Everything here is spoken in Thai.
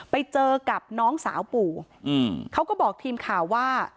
ไปเจอกับน้องสาวปู่เขาก็บอกทีมข่าวว่า